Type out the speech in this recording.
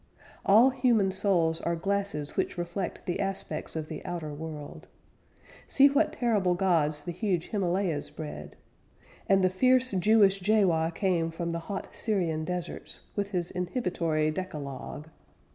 All human souls are glasses which reflect The aspects of the outer world; See what terrible gods the huge Himalayas bred! And the fierce Jewish Jaywah came From the hot Syrian deserts With his inhibitory decalogue.